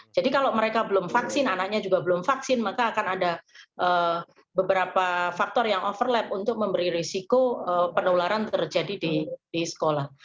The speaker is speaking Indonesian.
jadi kalau mereka belum vaksin anaknya juga belum vaksin maka akan ada beberapa faktor yang overlap untuk memberi risiko penularan terjadi di sekolah